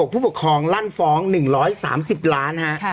ผู้ปกครองลั่นฟ้อง๑๓๐ล้านฮะ